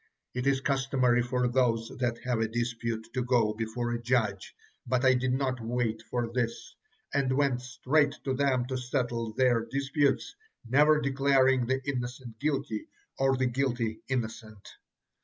It is customary for those that have a dispute to go before a judge, but I did not wait for this, and went straight to them to settle their disputes, never declaring the innocent guilty, or the guilty innocent."